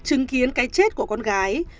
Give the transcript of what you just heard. chứng kiến cái chết của con gái